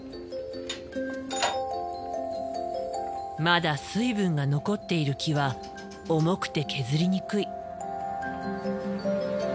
まだ水分が残っている木は重くて削りにくい。